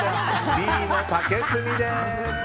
Ｂの竹炭です。